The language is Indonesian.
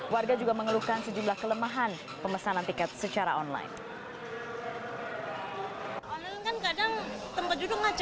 warga juga mengeluhkan sejumlah kelemahan pemesanan tiket secara online